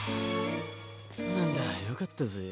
なんだよかったぜ。